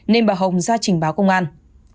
nên bà hồng ra trình báo công an